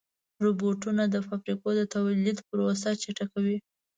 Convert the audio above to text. روبوټونه د فابریکو د تولید پروسه چټکه کوي.